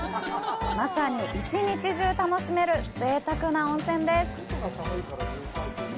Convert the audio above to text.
まさに、一日中、楽しめるぜいたくな温泉です。